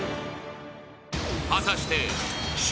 ［果たして笑